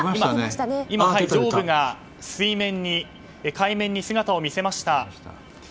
今、上部が海面に姿を見せました。